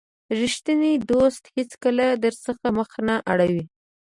رښتینی دوست هیڅکله درڅخه مخ نه اړوي.